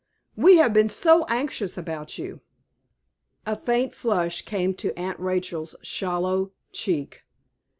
We have been so anxious about you." A faint flush came to Aunt Rachel's sallow cheek.